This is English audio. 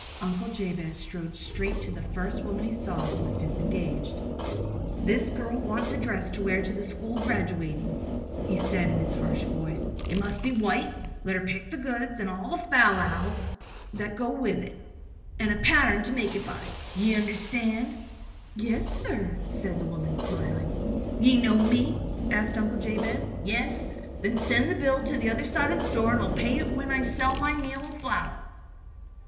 Uncle Jabez strode straight to the first woman he saw who was disengaged. "This girl wants a dress to wear to the school graduating," he said, in his harsh voice. "It must be white. Let her pick out the goods, all the fal lals that go with it, and a pattern to make it by. Ye understand?" "Yes, sir," said the woman, smiling. "You know me?" asked Uncle Jabez. "Yes? Then send the bill to the other side of the store and I'll pay it when I sell my meal and flour."